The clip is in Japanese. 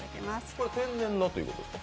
これは天然の、ということですか？